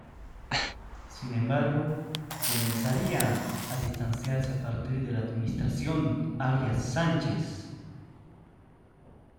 Sin embargo, comenzaría a distanciarse a partir de la administración Arias Sánchez.